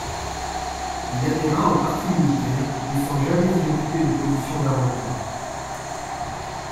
Il adhéra au parti unitaire, mais sans jamais y occuper de position d’avant-plan.